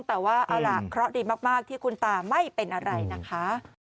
แต่ว่าเอาล่ะเคราะห์ดีมากที่คุณตาไม่เป็นอะไรนะคะ